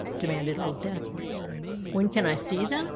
demanded Old Death. "When can I see them?"